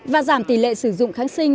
và giảm tỷ lệ sử dụng kháng sinh